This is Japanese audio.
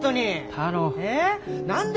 太郎。